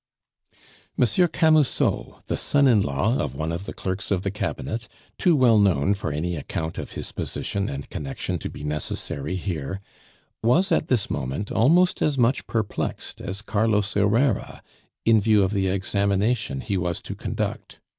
Monsieur Camusot, the son in law of one of the clerks of the cabinet, too well known for any account of his position and connection to be necessary here, was at this moment almost as much perplexed as Carlos Herrera in view of the examination he was to conduct.